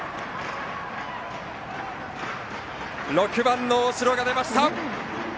６番の大城が出ました。